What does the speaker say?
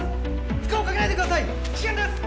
負荷をかけないでください危険です！